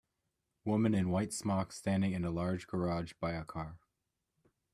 Woman in white smock standing in a large garage by a car.